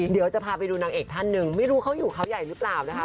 เดี๋ยวจะพาไปดูนางเอกท่านหนึ่งไม่รู้เขาอยู่เขาใหญ่หรือเปล่านะคะ